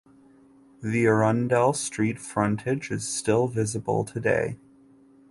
The Arundel Street frontage is still visible today.